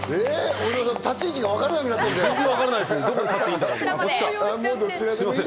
小澤さん、立ち位置が分からなくなってるじゃない。